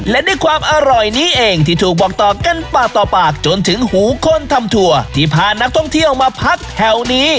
และด้วยความอร่อยนี้เองที่ถูกบอกต่อกันปากต่อปากจนถึงหูคนทำถั่วที่พานักท่องเที่ยวมาพักแถวนี้